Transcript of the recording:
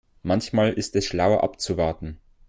Manchmal ist es schlauer abzuwarten.